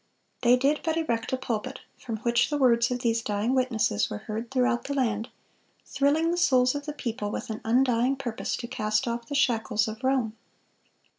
They did but erect a pulpit, from which the words of these dying witnesses were heard throughout the land, thrilling the souls of the people with an undying purpose to cast off the shackles of Rome.